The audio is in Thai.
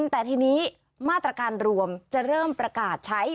แต่ทีนี้มาตรการรวมจะเริ่มประกาศใช้